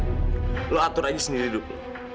kau atur aja sendiri dulu